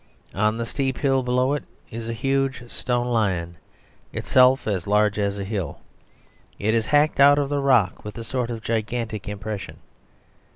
On the steep hill below it is a huge stone lion, itself as large as a hill. It is hacked out of the rock with a sort of gigantic impression.